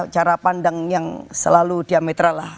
cara pandang yang selalu diametralah